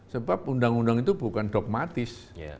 sebab undang undang itu bukan dogmatis